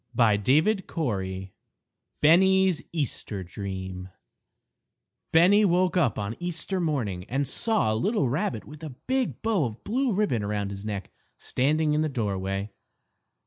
Bennie's Easter Dream Bennie woke up on Easter morning and saw a little rabbit with a big bow of blue ribbon around his neck standing in the doorway.